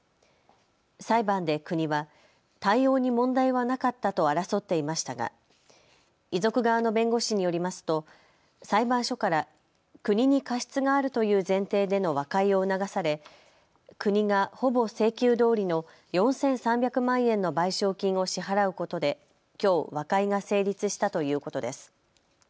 裁判で国は対応に問題はなかったと争っていましたが遺族側の弁護士によりますと裁判所から国に過失があるという前提での和解を促され国がほぼ請求どおりの４３００万円の賠償金を支払うことできょう和解が成立したということです。